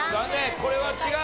これは違う。